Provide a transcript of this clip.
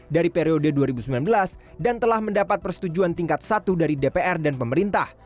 dari periode dua ribu sembilan belas dan telah mendapat persetujuan tingkat satu dari dpr dan pemerintah